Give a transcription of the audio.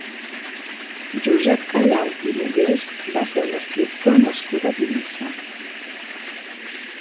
Josep Callau i Nogués va ser un escriptor nascut a Tivissa.